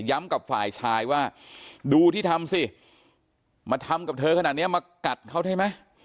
กับฝ่ายชายว่าดูที่ทำสิมาทำกับเธอขนาดนี้มากัดเขาได้ไหม